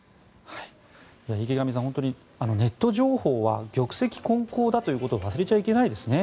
池上さん、本当にネット情報は玉石混交だということを忘れちゃいけないですね。